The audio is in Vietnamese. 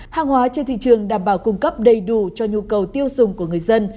hàng hóa trên thị trường đảm bảo cung cấp đầy đủ cho nhu cầu tiêu dùng của người dân